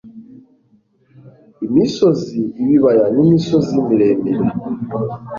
Imisozi ibibaya nimisozi miremire